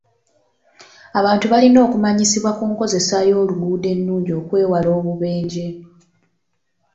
Abantu balina okumanyisibwa ku nkozesa y'oluguudo ennungi okwewala obubenje.